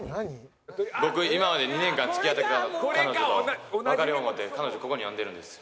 僕今まで２年間付き合ってきた彼女と別れよう思うて彼女ここに呼んでるんです。